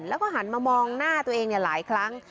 แล้วก็หันมามองหน้าตัวเองหลายครั้ง